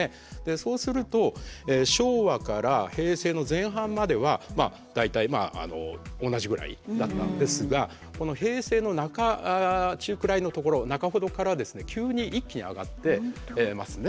そうすると昭和から平成の前半までは大体同じぐらいだったんですがこの平成の中中くらいのところ中ほどからは急に一気に上がってますね。